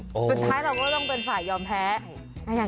สุดท้ายเราก็ต้องเป็นฝ่ายยอมแพ้อย่างนี้ทุกที